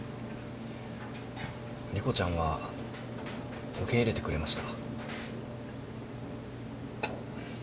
莉子ちゃんは受け入れてくれました。